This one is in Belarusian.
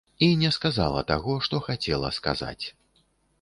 І не сказала таго, што хацела сказаць.